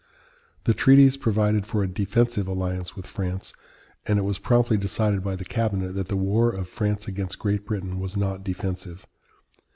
The treaties provided for a defensive alliance with France, and it was promptly decided by the cabinet that the war of France against Great Britain was not defensive.